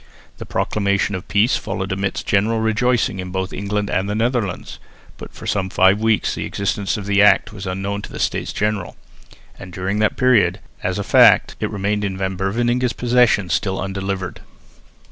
The proclamation of peace followed amidst general rejoicing both in England and the Netherlands; but for some five weeks the existence of the Act was unknown to the States General, and during that period, as a fact, it remained in Van Beverningh's possession still undelivered.